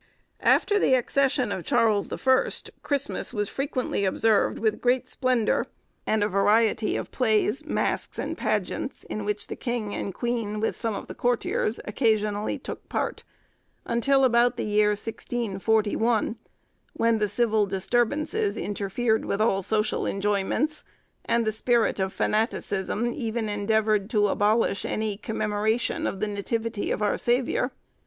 After the accession of Charles the First, Christmas was frequently observed with great splendour, and a variety of plays, masks, and pageants, in which the king and queen, with some of the courtiers, occasionally took part, until about the year 1641, when the civil disturbances interfered with all social enjoyments, and the spirit of fanaticism even endeavoured to abolish any commemoration of the Nativity of our Saviour.